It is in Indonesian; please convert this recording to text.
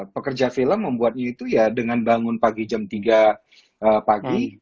pekerja film membuatnya itu ya dengan bangun pagi jam tiga pagi